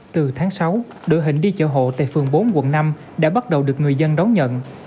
từ tháng sáu đội hình đi chợ hộ tại phường bốn quận năm đã bắt đầu được người dân đón nhận